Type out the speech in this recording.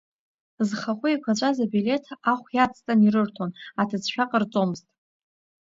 Зхахәы еиқәаҵәаз абилеҭ ахә иацҵан ирырҭон, аҭыӡшәа ҟарҵомызт.